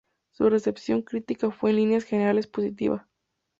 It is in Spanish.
Su recepción crítica fue en líneas generales positiva.